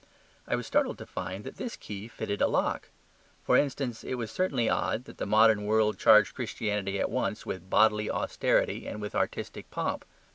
I was startled to find that this key fitted a lock. For instance, it was certainly odd that the modern world charged Christianity at once with bodily austerity and with artistic pomp.